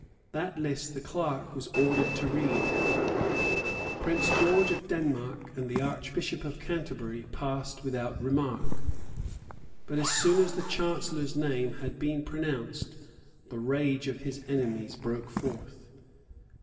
That list the clerk was ordered to read. Prince George of Denmark and the Archbishop of Canterbury passed without remark. But, as soon as the Chancellor's name had been pronounced, the rage of his enemies broke forth.